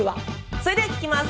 それでは聞きます。